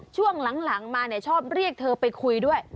ช่วงหลังมาชอบเรียกเธอไปคุยด้วย